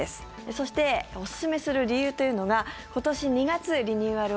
そしておすすめする理由というのが今年２月リニューアル